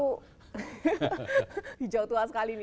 itu hijau tua sekali nih pak